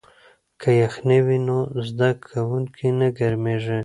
که یخنۍ وي نو زده کوونکی نه ګرمیږي.